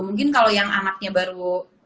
mungkin kalau yang anaknya baru